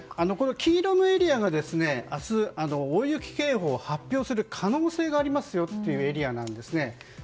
黄色のエリアが明日、大雪警報を発表する可能性がありますよというエリアなんですね。